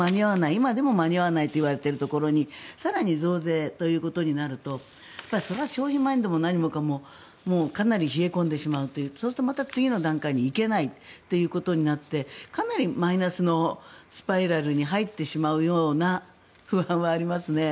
今でも間に合わないといわれているところで更に増税となるとそれは消費マインドも何もかもかなり冷え込んでしまうというそうするとまた次の段階に行けないということになってかなりマイナスのスパイラルに入ってしまうような不安はありますね。